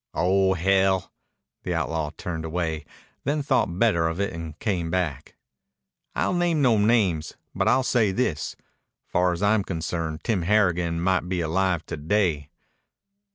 "Oh, hell!" The outlaw turned away; then thought better of it and came back. "I'll name no names, but I'll say this. Far as I'm concerned Tim Harrigan might be alive to day."